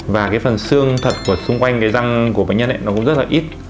và cái phần xương thật của xung quanh cái răng của bệnh nhân ấy nó cũng rất là ít